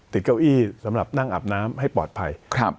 เก้าอี้สำหรับนั่งอาบน้ำให้ปลอดภัย